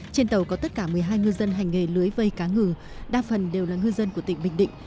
trên tàu có tất cả một mươi hai ngư dân hành nghề lưới vây cá ngừ đa phần đều là ngư dân của tỉnh bình định